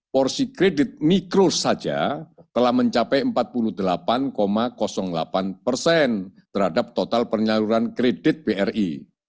porsi kredit mikro saja telah mencapai empat puluh delapan delapan persen terhadap total penyaluran kredit bri